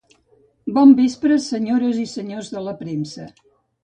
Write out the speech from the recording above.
Bon vespre, senyores i senyors de la premsa.